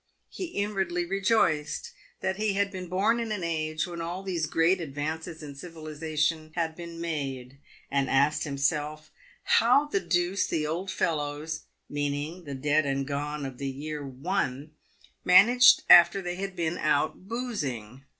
He inwardly rejoiced that he had been born in an age when all these great advances in civilisation had been made, and asked himself " how the deuce the old fellows" — meaning the dead and gone of the Tear One — "managed after they had been out boozing."